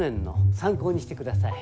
参考にしてください。